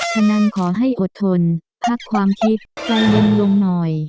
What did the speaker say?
ฉะนั้นขอให้อดทนพักความคิดใจเย็นลงหน่อย